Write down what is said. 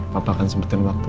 papa kan sempetin waktu